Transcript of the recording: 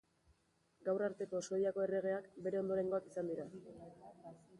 Gaur arteko Suediako erregeak bere ondorengoak izan dira.